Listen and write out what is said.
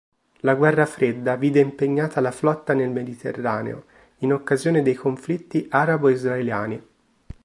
La guerra fredda vide impegnata la Flotta nel Mediterraneo in occasione dei conflitti arabo-israeliani.